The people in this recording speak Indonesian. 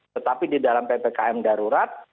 tetapi di dalam ppkm darurat